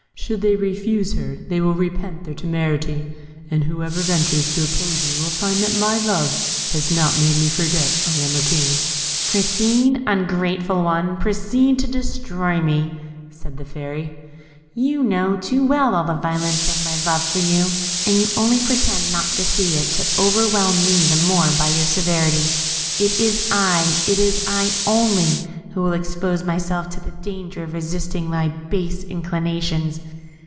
Should they refuse to receive her, they will repent their temerity; and whoever ventures to oppose me will find that my love has not made me forget I am a king." "Proceed, ungrateful one! Proceed to destroy me!" said the Fairy. "You know too well all the violence of my love for you, and you only pretend not to see it to overwhelm me the more by your severity. It is I it is I only who will expose myself to the danger of resisting thy base inclinations.